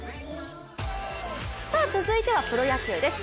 続いてはプロ野球です。